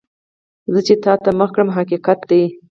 زه چې تا ته مخ کړم، حقیقت دی.